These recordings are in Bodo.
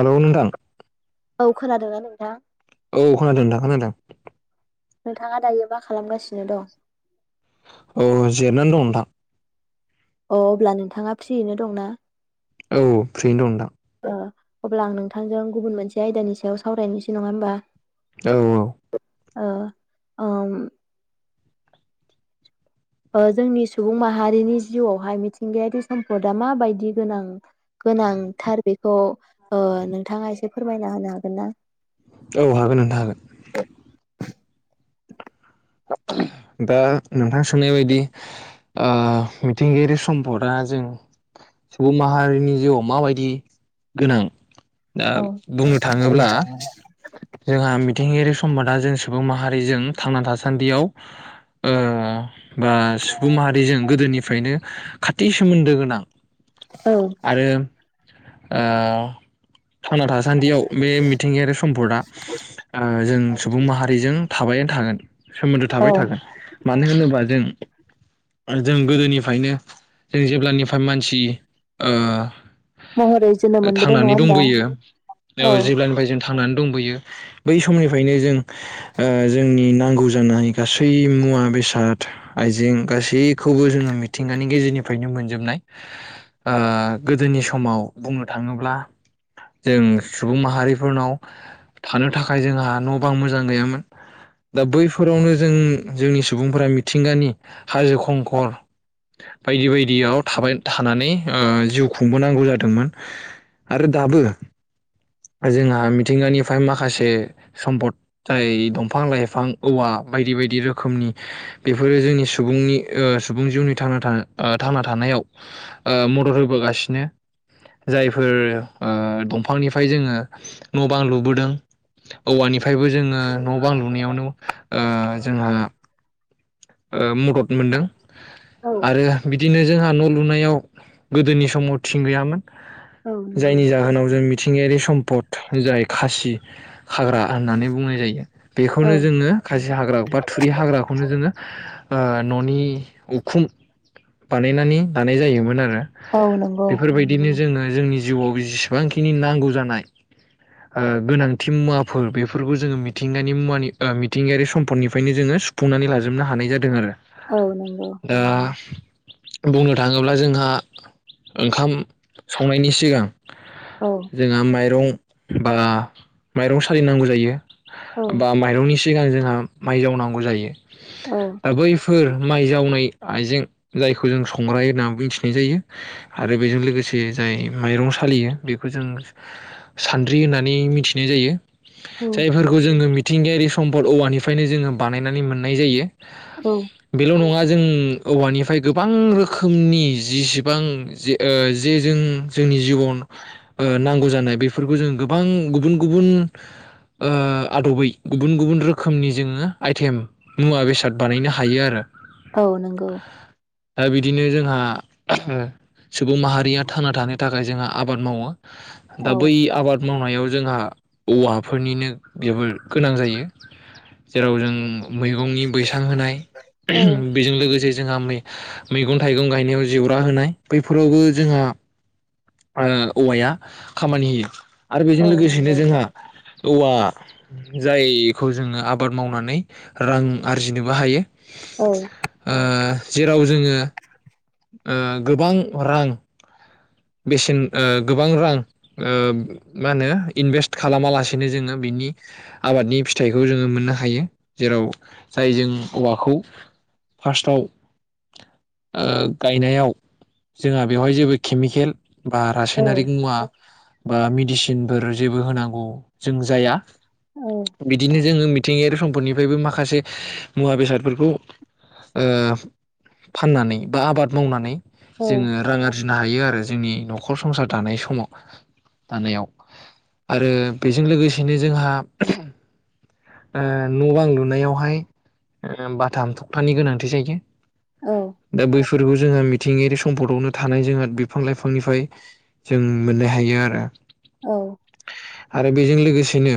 हेल' नोंथां। औ खोनादोंना नोंथां? औ खोनादों नोंथां खोनादों। नोंथाङा दायो मा खालामगासिनो दं? अ जिरायना दं नोंथां। अ अब्ला नोंथाङा फ्रियैनो दंना? औ फ्रियैनो दं नोंथां। ओ अब्ला आं नोंथांजों गुबुन मोनसे आयदानि सायाव सावरायनोसै नङा होमबा। औ ओ ओम ओ जोंनि सुबुं माहारिनि जिउआवहाय मिथिंगायारि सम्पदआ माबायदि गोनां। गोनांथार बे खौ ओ नोंथाङा एसे फोरमायना होनो हागोन ना? औ हागोन नोंथां हागोन। दा नोंथां सोंनाय बायदि ओ मिथिंगायारि सम्पदआ जों सुबुं माहारिनि जिउआव माबायदि गोनां। दा औ बुंनो थाङोब्ला जोंहा मि थिंगायारि सम्फदा जों सुबुं माहारिजों थांना था सान्दियाव ओ बा सुबुं माहारिजों गोदोनिफ्रायनो खाथि सोमोन्दो गोनां। औ आरो ओ थांना थासान्दियाव बे मिथिंगायारि सम्पदा ओ जों सुबुं माहारिजों थाबायानो थागोन। सोमोन्दो औ थाबाय थागोन मानो होनोबा जों। जों गोदोनिफ्रायनो जों जेब्लानिफ्राय मानसि ओ महरै जोनोम मोनबोदों नङा थांनानै होमबा दंबोयो ओ औ जेब्लानिफ्राय जों थांनानै दंबोयो बै समनिफ्रायनो जों ओ जोंनि नांगौ जानाय गासै मुवा बेसाद आइजें गासैखौबो जोङो मिथिंगानि गेजेरनिफ्रायनो मोनजोबनाय। ओ गोदोनि समाव बुंनो थाङोब्ला जों सुबुं माहारिफोरनाव थानो थाखाय जोंहा न' बां मोजां गैयामोन दा बै फोरावनो जों जोंनि सुबुंफोरा मिथिंगानि हाजो खंखर बायदि बायदियाव थाबाय थानानै ओ जिउ खुंबोनांगौ जादोंमोन। आरो दाबो जोंहा मिथिंगानिफ्राय माखासे सम्पद जाय दंफां लाइफां। औवा बायदि बायदि रोखोमनि बेफोरो जोंनि सुबुंनि ओ सुबुं जिउनि ओ थां थांना थांना थानायाव मदद होबोगासिनो। जायफोर ओ दंफांनिफ्राय जोङो न' बां लुबोदों औवानि फ्रायबो जोङो न' बां लुनायावनो ओ जोंहा ओ मदद मोनदों औ आरो बिदिनो जोंहा न' लुनायाव गोदोनि समाव थिं गैयामोन। औ नंगौ जायनि जाहोनाव जों मिथिंगायारि सम पद जाय खासि हाग्रा होननानै बुंनाय जायो औ बेखौनो जोङो खासि हाग्रा बा थुरि हाग्राखौ खौनो जोङो न'नि खुम बानायनानै लानाय जायोमोन आरो औ नंगौ बेफोरबायदिनो जोङो जोंनि जिउआव जेसेबांखिनि नांगौ जानाय ओ गोनांथि मुवाफोर बेफोरखौ जोङो मिथिंगानि मुवानि ओ मिथिंगायारि सम्फदनिफ्रायनो जोङो बुंनानै लाजोबनो हानाय जादों आरो औ नंगौ ओ बुंनो थाङोब्ला जोंहा ओंखाम संनायनि सिगां औ जोंहा माइरं बा माइरं सालिनांगौ जायो। बा माइरंनि सिगां जोंहा माइ जावनांगौ जायो औ दा बैफोर माइ जावनाय आइजें जायखौ जों संग्रा होनना मिथिनाय जायो आरो बेजों लोगोसे जाय माइरं सालियो बेखौ जों सान्द्रि होननानै मिथिनाय जायो। औ जायफोरखौ जोङो मिथिंगायारि सम औवानिफ्रायनो जोङो बानायनानै मोन नाय जायो। औ बेल' नङा जों औवानि फ्राय गोबां रोखोमनि जिसिबां जे ओ जे जों जोंनि जिबन ओ नांगौ जानाय बेफोरखौ जों गोबां गुबुन गुबुन ओ आदबै गुबुन गुबुन रोखोमनि जोङो आइटेम मुवा बेसाद बानायनो हायो आरो। औ नंगौ। दा बिदिनो जोंहा ओ सुबुं माहारिया थांना थानो थाखाय जोंहा आबाद मावो। दा औ बै आबाद मावनायाव जोंहा औवाफोरनिनो जोबोर गोनां जायो जेराव जों मैगंनि बैसां होनाय औ ओह्म बेजों लोगोसे जोंहा मै मैगं-थाइगं गायनायाव जेवरा होनाय बैफोरावबो जोंहा ओ औवाया खामानि होयो। आरो बेजों औ लोगोसेनो नंगौ जोंहा औवा जायखौ जोङो आबाद मावनानै रां आरजिनोबो हायो। औ ओ जेराव जोङो ओ गोबां रां बेसेन ओ गोबां रां ओ मा होनो इनभेस्ट खालामालासेनो जोङो बिनि आबादनि फिथाइखौ जोङो मोननो हायो जेराव जाय जों औवाखौ फार्स्टआव ओ गायनायाव जोंहा बेवहाय जेबो केमिकेल बा औ रासायनारिक मुवा बा मेडिसिनफोर जेबो होनांगौ जों जाया। बिदिनो जोङो मिथ थिंयारि सम्पदनिफ्रायबो माखासे मुवा बेसादफोरखौ ओ फाननानै बा आबाद मावनानै औ जोङो रां आरजि नायो आरो। जोंनि नख'र संसार थानाय समाव दानायाव आरो बेजों लोगोसेनो जोंहा ओ न'-बां लुनायावहाय ओ बाथाम थखथानि गोनांथि जायो। औ। फोरबो जोंहा मिथिंगायारि सम्पदआवनो थानाय जोंहा बि फां लाइफांनिफ्राय जों मोननो हायो आरो। औ। आरो बेजों लोगोसेनो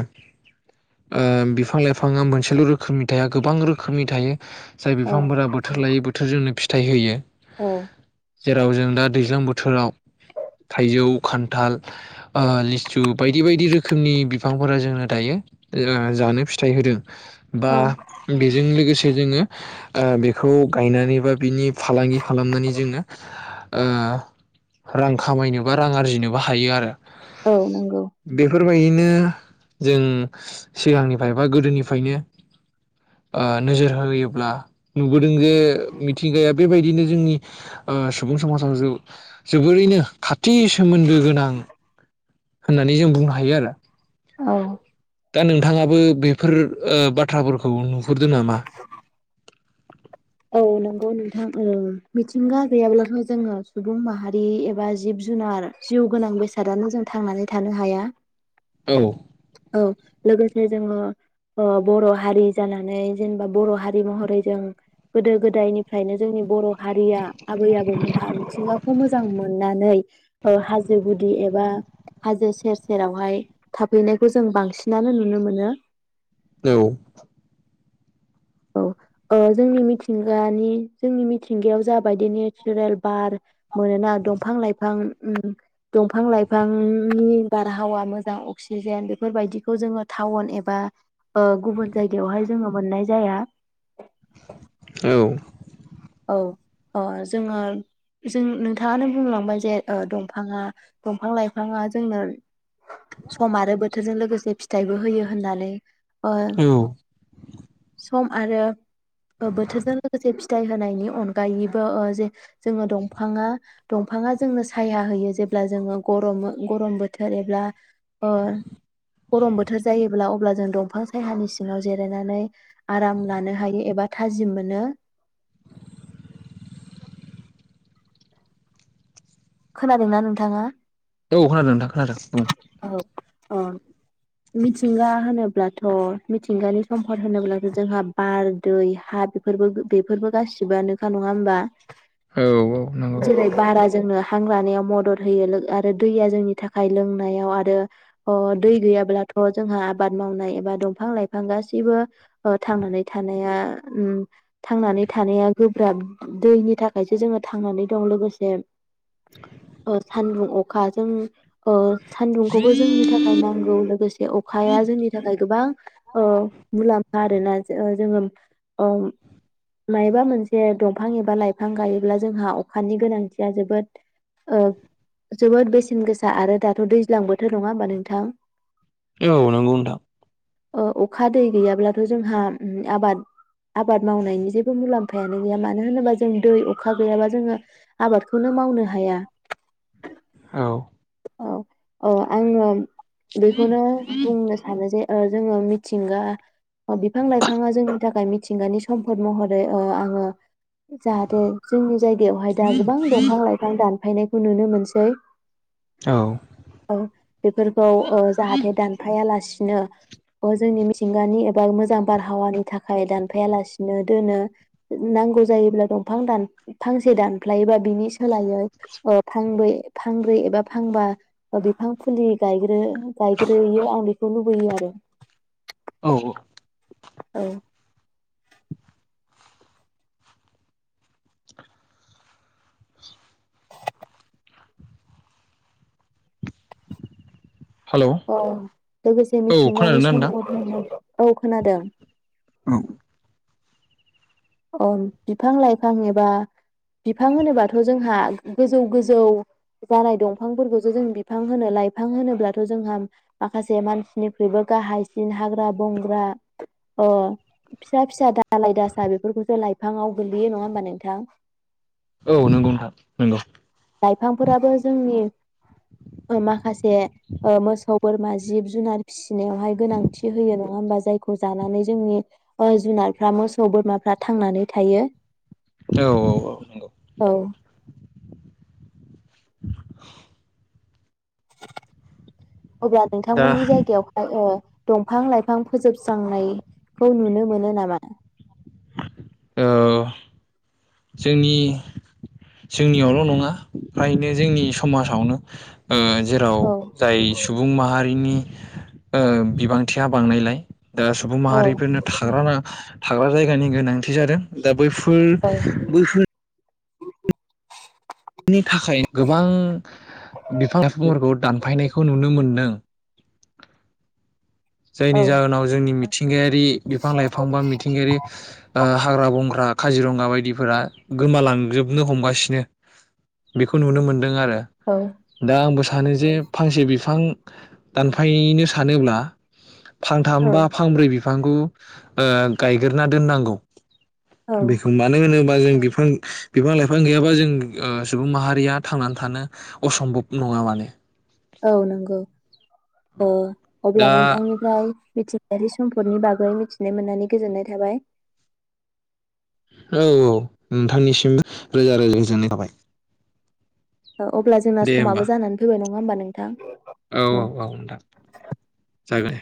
ओ बिफां लाइफाङा मोनसेल' रोखोमनि थाया गोबां रोखोमनि थायो। जाय औ बिफांफोरा बोथोर लायै बोथोरजोंनो फि थायहोयो। औ जेराव जों दा दैज्लां बोथ थोराव थाइजौ खान्थाल आ लिसु बायदि बायदि रोखोमनि बिफांफोरा जोंनो दायो जानो फिथाइ होदों। बा औ बेजों लोगोसे जोङो आ बेखौ गायनानै बा बिनि फालांगि खालामनानै जोङो आ रां खामायनोबा रां आरजिनोबो हायो आरो। औ नंगौ। बेफोरबायदिनो जों सिगांनिफ्राय बा गोदोनिफ्रायनो ओ नोजोर होयोब्ला नुबोदों जे मिथिंगाया बेबायदिनो जोंनि ओ सुबुं समाजाव जौ जोबोरैनो खाथि सोमोन्दो गोनां होननानै जों बुंनो हायो आरो। औ। दा नोंथाङाबो बेफोर ओ बाथ्राफोरखौ नुहुरदों नामा? औ नंगौ नोंथां उम मिथिंगा गैयाब्लाथ' जोङो सुबुं माहारि एबा जिब जुनार जिउ गोनां बेसादानो जों थांनानै थानो हाया। औ औ। लोगोसे जोङो ओ बर' हारि जानानै जेनेबा बर' हारि महरै जों गोदो गोदायनिफ्रायनो जोंनि बर' हारिया आबै आबौमोनहा मिथिंगाखौ मोजां मोन मोननानै ओ हाजो गुदि एबा हाजो सेर सेरावहाय थाफैनायखौ जों बांसिनानो नुनो मोनो। औ। औ ओ जोंनि मिथिंगानि जोंनि मिथिंगायाव जाबायदि नेचारेल बार मोनोना दंफां लाइफां दंफां लाइफांनि बारहावा मोजां अक्सिजेन बेफोरबायदिखौ जोङो टाउन एबा ओ गुबुन जायगायावहाय जोङो मोननाय जा जाया। औ। औ अ जोङो जों नोंथाङानो बुंलांबाय जे दंफाङा ओ दंफां लाइफाङा जोंनो सम आरो बोथोरजों लोगोसे फिथाइबो होयो होननानै। ओ औ। सम आरो बोथोरजों लोगोसे फिथाइ होनायनि अनगायैबो जे जोङो दंफाङा दंफाङा जोंनो साया होयो जेब्ला जोङो गरम गरम बोथोर एब्ला ओ गरम बोथोर जायोब्ला अब्ला जों दंफां सहानि सिङाव जिरायनानै आराम लानो हायो एबा थाजिम मोनो। खोनादोंना नोंथाङा? औ खोनादों नोंथां खोनादों बुं। औ अ मिथिंगा होनोब्लाथ' मिथिंगानि सम्पद होनोब्लाथ' जोंहा बार दै हा बिफोरबो बेफोरबो गासिबोआनोखा नङा होमबा? औ औ नंगौ। जेरै बारा जोंनो हां लानायाव मदद होयो लोगो आरो दैया जोंनि थाखाय लोंनायाव आरो अ दै गैयाब्लाथ' जोंहा आबाद मावनाय एबा दंफां लाइफां गासैबो थांनानै थानाया उम थांनानै थानाया गोब्राब दैनि थाखायसो जोंङो थांनानै दं लोगोसे अ सानदुं अ खाजों ओ सानदुंखौबो जोंनि थाखाय नांगौ लोगोसे अखाया जोंनि थाखाय गोबां ओ मुलाम्फा आरोना जो ओ जोंङो ओ मायबा मोनसे दंफां एबा लाइफां गायोब्ला जोंहा अखानि गोनांथिया जोब बोद ओ जोबोद बेसेन गोसा आरो दाथ' दैज्लां बोथोर नङा होमबा नोंथां? औ नोंगौ नोंथां। ओ अखा दै गैयाब्लाथ' जोंहा उम आबाद आबाद मावनायनि जेबो मुलाम्फायानो गैया मानो होनोबा जों दै अखा गैयाबा जोङो आबाद खौनो मावनो हाया। औ औ औ आङो बेखौनो बुंनो सानो जे ओ जोङो मिथिंगा अ बिफां लाइफाङा जोंनि थाखाय मिथिंगानि सम्फद महरै ओ आङो जाहाथे जोंनि जायगायावहाय दा गोबां दंफां लाइफां दान फायनायखौ नुनो मोनसै। औ औ बेफोरखौ ओ जाहाथे दानफायालासि नो अ जोंनि मिथिंगानि एबा मो जा बारहावानि थाखाय दानफाया लासिनो दोनो नांगौ जायोब्ला दंफां दान फांसे दानफ्लायोबा बिनि सोलायै अ फांबै फांब्रै एबा फांबा ओ बिफां फुलि गायग्रो। गायग्रोहोयो आं खौ लुबोयो आरो औ औ औ हेलौ अ लोगोसे औ मिथिंगानि खोनादोंना नोंथां? समखौ औ खोनादों। औ अ बिफां लाइफां एबा बिफां होनोबाथ' जोंहा गोजौ गोजौ जानाय दंफांफोरखौसो जों बिफां होनो लाइफां होनोब्लाथ' जोंहा माखासे मानसिनिख्रुइबो गाहायसिन हाग्रा ग्रा बंग्रा अ फिसा फिसा दालाय दासा बे बेफोरखौसो लाइफाङाव गोलैयो नङा होमबा नोंथां? औ नंगौ नोंथां नंगौ लाइफांफोराबो जोंनि ओ माखासे ओ मोसौ बोरमा जिब जुनार फि नायावहाय गोनांथि होयो नङा होमबा? जायखौ जानानै जोंनि ओ जुनारफ्रा मोसौ बोरमाफ्रा थांनानै थायो। औ औ औ नंगौ। औ [inaudible] अब्ला दा नोंथांमोननि जायगायावहाय ओ दंफां-लाइफां फोजोबस्रांनायखौ नुनो मोनो नामा? औ जोंनि जोंनियावल' नङा फ्रायनो जोंनि समाजावनो ओ जेराव औ जाय सुबुं माहारिनि ओ बिबांथिया बांनायलाय दा सुबुं औ माहारिफोरनो थाग्राना थाग्रा जायगानि गोनांथि जादों दा बैफोर औ बैफोर बिनि थाखाय गोबां बिफां-लाइफांफोरखौ दानफायनायखौ नुनो मोनदो। जायनि औ जाहोनाव जोंनि मि थिंगायारि बिफां-लाइफां बा मिथिंगायारि ओ हाग्रा बंग्रा काजिरङगा बायदिफोरा गोमालांजोबनो हमगासिनो बेखौ नुनो मोन दों आरो औ दा आंबो सानो जे फांसे बिफां दानफायनो सानोब्ला औ फांथामबा फांब्रै बिफ बिफांखौ ओ गायग्रोना दोननांगौ। औ बेखौ मानो होनो बा जों बिफां बिफां लाइफां गैयाबा जों ओ सुबुं माहारिया थांनानै थानो असम्भब नङा माने। औ नंगौ ओ अब्ला दा नोंथांनिफ्राय मिथिंगायारि सम्पदनि बागै मिथिनो मोननानै गोजोननाय थाबाय। औ औ नोंथांनिसिम रोजा रोजा जोननाय थाबाय। अ अब्ला जोंना दे होमबा समाबो जानानै फैबाय न नङा होमबा नोंथां? औ औ औ नोंथां जागोन दे।